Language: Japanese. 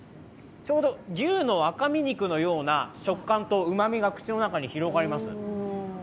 ちょうど牛の赤身肉のような食感とうまみが口の中に広がります。